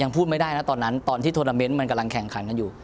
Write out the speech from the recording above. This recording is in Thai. พูดไม่ได้นะตอนนั้นตอนที่โทรนาเมนต์มันกำลังแข่งขันกันอยู่